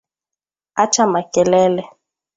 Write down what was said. Acha makelele